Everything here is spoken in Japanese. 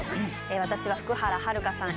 私は福原遥さん